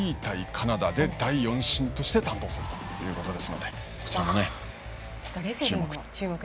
カナダで第４審として担当するということですのでこちらもね、注目。